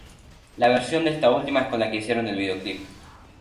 La versión de esta última es con la que hicieron el videoclip.